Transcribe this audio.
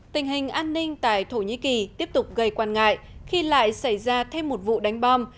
tình hình an ninh tại thổ nhĩ kỳ tiếp tục gây quan ngại khi lại xảy ra thêm một vụ đánh bom